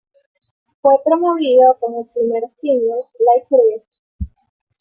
Fue promovido con el primer single, "Like It Is".